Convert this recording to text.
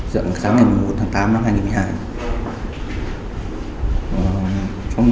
dựng sáng ngày một mươi một tháng tám năm hai nghìn một mươi hai